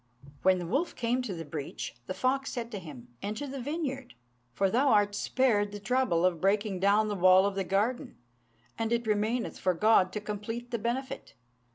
When the wolf came to the breach, the fox said to him, "Enter the vineyard; for thou art spared the trouble of breaking down the wall of the garden, and it remaineth for God to complete the benefit."